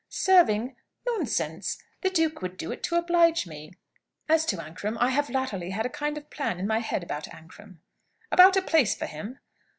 "Serving ? Nonsense! The duke would do it to oblige me. As to Ancram, I have latterly had a kind of plan in my head about Ancram." "About a place for him?"